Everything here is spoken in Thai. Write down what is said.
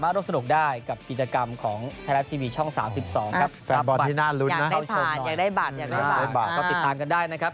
อยากได้บัตรติดตามกันได้นะครับ